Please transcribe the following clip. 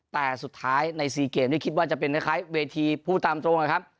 แต่สุดท้ายใน๔เกมที่คิดว่าจะเป็นคล้ายเวทีพูดตามตรงนะครับ